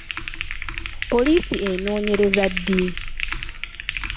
Poliisi enoonyereza ddi?